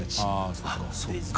あっそうか。